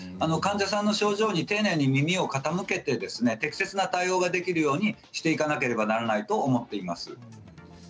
患者さんの症状に丁寧に耳を傾けて適切な対応ができるようにしていかなければならないと思っています。